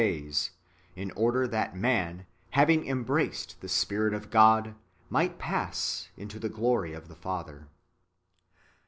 days/ in order that man, having embraced the Spirit of God, might pass into the glory of the Father.